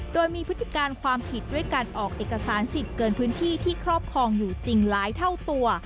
โดยมีพฤติการความผิดด้วยการออกเอกสารสิทธิ์เกินพื้นที่ที่ครอบครองอยู่จริงหลายเท่าตัว